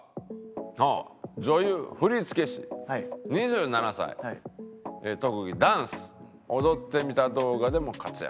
「女優・振付師２７歳」「特技ダンス」「踊ってみた動画でも活躍」